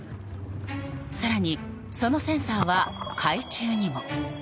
更に、そのセンサーは海中にも。